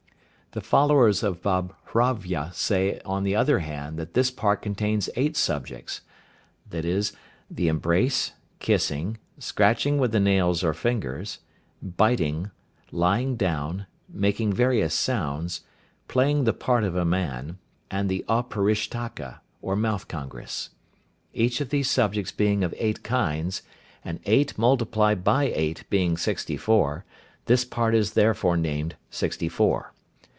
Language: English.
The followers of Babhravya say on the other hand that this part contains eight subjects, viz., the embrace, kissing, scratching with the nails or fingers, biting, lying down, making various sounds, playing the part of a man, and the Auparishtaka, or mouth congress. Each of these subjects being of eight kinds, and eight multiplied by eight being sixty four, this part is therefore named "sixty four."